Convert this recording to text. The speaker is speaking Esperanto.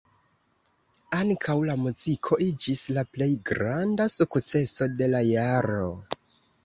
Ankaŭ la muziko iĝis la plej granda sukceso de la jaro.